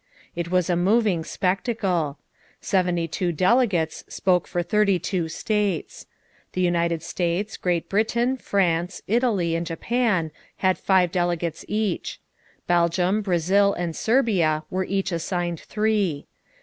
It was a moving spectacle. Seventy two delegates spoke for thirty two states. The United States, Great Britain, France, Italy, and Japan had five delegates each. Belgium, Brazil, and Serbia were each assigned three.